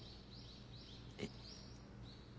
えっ。